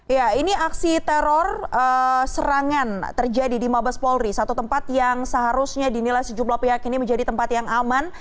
ya ini aksi teror serangan terjadi di mabes polri satu tempat yang seharusnya dinilai sejumlah pihak ini menjadi tempat yang aman